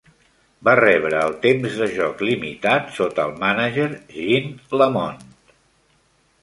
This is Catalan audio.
Va rebre el temps de joc limitat sota el mànager Gene Lamont.